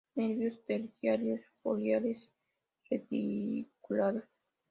Nervios terciarios foliares reticulados.